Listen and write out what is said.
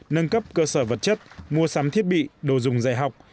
nâng cấp cơ sở vật chất mua sắm thiết bị đồ dùng dạy học